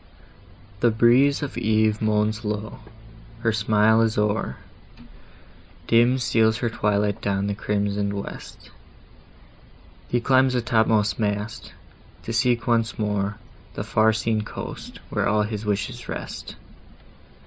The breeze of Eve moans low, her smile is o'er, Dim steals her twilight down the crimson'd west, He climbs the top most mast, to seek once more The far seen coast, where all his wishes rest.